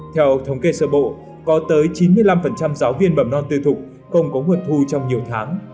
theo thống kê sơ bộ có tới chín mươi năm giáo viên mầm non tư thục không có nguồn thu trong nhiều tháng